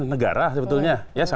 negara sebetulnya ya